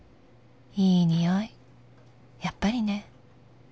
いいにおいやっぱりね